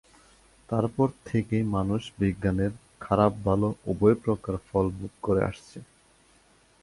তারপর থেকেই মনুষ বিজ্ঞানের খারাপ-ভালো উভয়প্রকার ফল ভোগ করে আসছে।